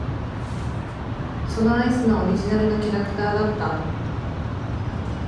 そのアイスのオリジナルのキャラクターだった。